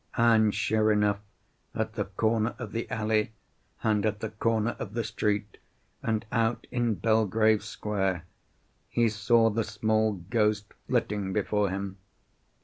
And sure enough, at the corner of the alley, and at the corner of the street, and out in Belgrave Square, he saw the small ghost flitting before him.